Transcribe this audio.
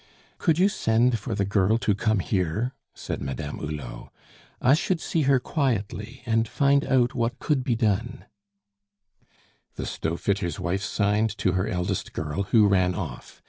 "Could you send for the girl to come here?" said Madame Hulot. "I should see her quietly, and find out what could be done " The stove fitter's wife signed to her eldest girl, who ran off.